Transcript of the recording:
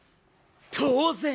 当然！